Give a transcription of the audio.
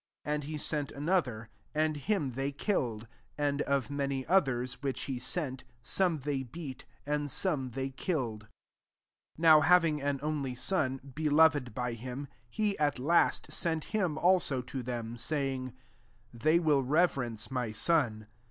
5 And he sent another ; and him they killed; and of many others, which he aent^ some they beat, and some they killed. 6 " Now having an only son, beloved [by him,] he, at last, sent him also to them, saying, * They will reverence my son.